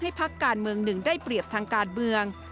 พักการเมืองหนึ่งได้เปรียบทางการเมือง